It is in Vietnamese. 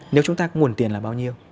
nếu chúng ta có nguồn tiền là bao nhiêu